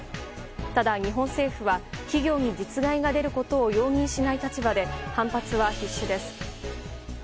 ただ、日本政府は企業に実害が出ることを容認しない立場で反発は必至です。